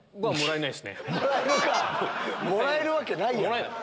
もらえるわけないやろ。